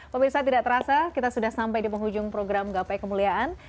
pemirsa tidak terasa kita sudah sampai di penghujung program gapai kemuliaan